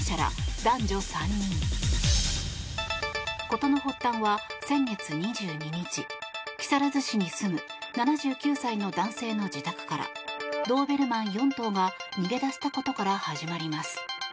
事の発端は先月２２日木更津市に住む７９歳の男性の自宅からドーベルマン４頭が逃げ出したことから始まります。